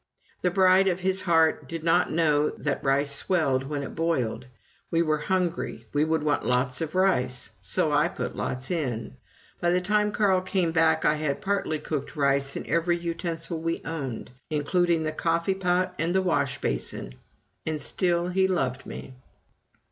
The bride of his heart did not know that rice swelled when it boiled. We were hungry, we would want lots of rice, so I put lots in. By the time Carl came back I had partly cooked rice in every utensil we owned, including the coffee pot and the wash basin. And still he loved me!